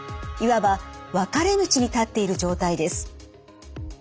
いわば分かれ道に立っている状態です。